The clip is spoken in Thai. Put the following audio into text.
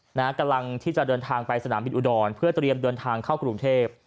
กำลังที่จะเดินทางไปสนามบินอุดรเพื่อเตรียมเดินทางเข้ากรุงเทพ